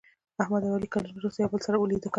احمد او علي کلونه وروسته یو له بل سره لیده کاته وکړل.